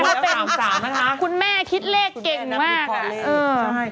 คุณแม่ค่ะคุณแม่คิดเลขเก่งมากอ่ะ